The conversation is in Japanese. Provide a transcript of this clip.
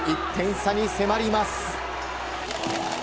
１点差に迫ります。